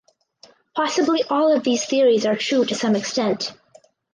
Possibly all of these theories are true to some extent.